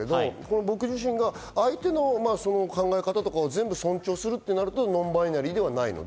僕自身が相手の考え方を尊重するとなるとノンバイナリーではない。